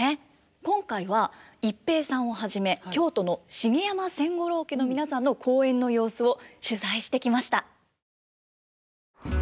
今回は逸平さんをはじめ京都の茂山千五郎家の皆さんの公演の様子を取材してきました。